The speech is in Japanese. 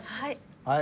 はい。